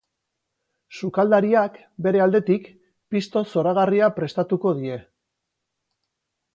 Sukaldariak, bere aldetik, pisto zoragarria prestatuko die.